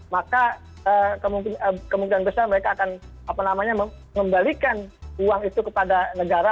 maka kemungkinan besar mereka akan mengembalikan uang itu kepada negara